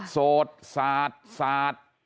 โสดสาดสาด